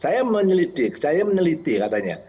saya menyelidik saya meneliti katanya